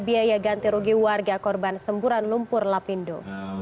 biaya ganti rugi warga korban semburan lumpur lapindo